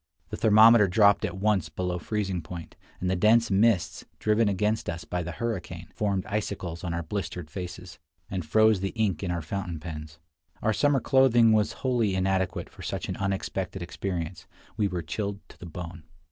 The thermometer dropped at once below freezing point, and the dense mists, driven against us by the hurricane, formed icicles on our blistered faces, and froze the ink in our fountain pens. Our summer clothing was wholly inadequate for such an unexpected experience; we were chilled to the bone.